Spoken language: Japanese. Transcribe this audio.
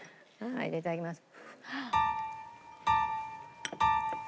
いただきます。